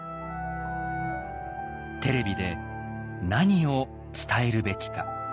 テレビで何を伝えるべきか。